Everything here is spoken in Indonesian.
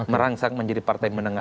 merangsang menjadi partai menengah